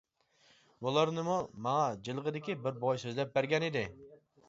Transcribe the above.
بۇلارنىمۇ ماڭا جىلغىدىكى بىر بوۋاي سۆزلەپ بەرگەنىدى.